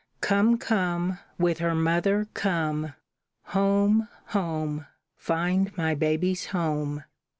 Come, come, with her mother, come! Home, home, find my baby's home!"